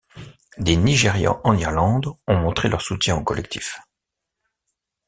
Des Nigérians en Irlande ont montré leur soutien au collectif.